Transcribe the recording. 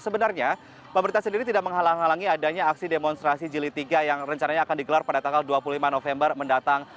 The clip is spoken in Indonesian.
sebenarnya pemerintah sendiri tidak menghalang halangi adanya aksi demonstrasi jili tiga yang rencananya akan digelar pada tanggal dua puluh lima november mendatang